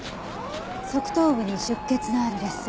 側頭部に出血のある裂創。